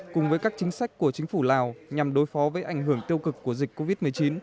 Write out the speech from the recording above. cùng với các chính sách của chính phủ lào nhằm đối phó với ảnh hưởng tiêu cực của dịch covid một mươi chín